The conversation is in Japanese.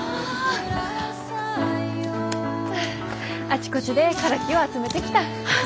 あちこちでカラキを集めてきた。